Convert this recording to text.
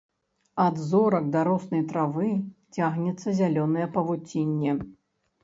Ад зорак да роснай травы цягнецца зялёнае павуцінне.